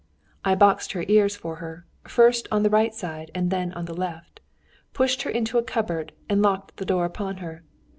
I boxed her ears for her, first on the right side and then on the left, pushed her into a cupboard and locked the door upon her.